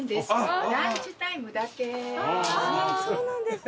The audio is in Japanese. そうなんですね。